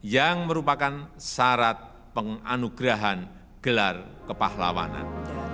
yang merupakan syarat penganugerahan gelar kepahlawanan